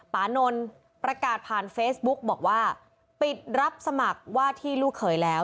ปานนท์ประกาศผ่านเฟซบุ๊กบอกว่าปิดรับสมัครว่าที่ลูกเขยแล้ว